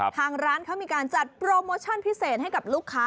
ทางร้านเขามีการจัดโปรโมชั่นพิเศษให้กับลูกค้า